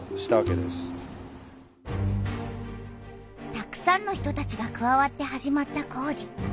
たくさんの人たちがくわわって始まった工事。